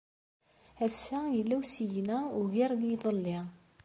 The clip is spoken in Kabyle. Ass-a yella usigna ugar n yiḍelli.